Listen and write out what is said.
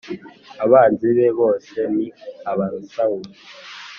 abanzi be bose ni aba Sawuli